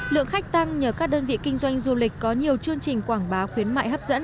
lượng khách tăng nhờ các đơn vị kinh doanh du lịch có nhiều chương trình quảng bá khuyến mại hấp dẫn